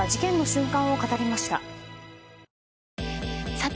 さて！